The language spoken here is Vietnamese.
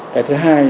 cái thứ hai